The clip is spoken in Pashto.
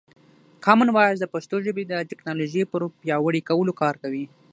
کامن وایس د پښتو ژبې د ټکنالوژۍ پر پیاوړي کولو کار کوي.